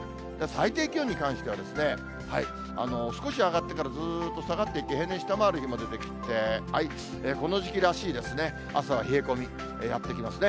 最低気温に関しては、少し上がってからずっと下がっていって、平年下回る日も出てきて、この時期らしい、朝は冷え込み、やってきますね。